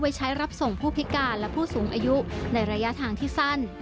ใช้รับส่งผู้พิการและผู้สูงอายุในระยะทางที่สั้น